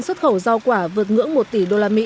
xuất khẩu giao quả vượt ngưỡng một tỷ usd